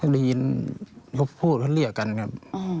ได้ยินพูดเรียกกันครับ